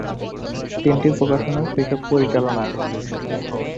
তিনটি প্রকাশনার পৃথক পরিচালনা আছে।